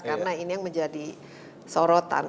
karena ini yang menjadi sorotan